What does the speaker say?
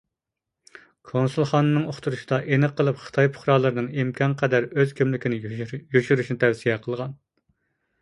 كونسۇلخانىنىڭ ئۇقتۇرۇشىدا ئېنىق قىلىپ خىتاي پۇقرالىرىنىڭ ئىمكانقەدەر ئۆز كىملىكىنى يوشۇرۇشنى تەۋسىيە قىلغان.